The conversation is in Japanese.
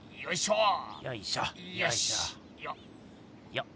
よっ。